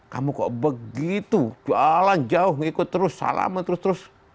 kamu kok begitu jalan jauh ngikut terus salaman terus terus